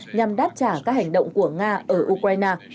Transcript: nhằm đáp trả các hành động của nga ở ukraine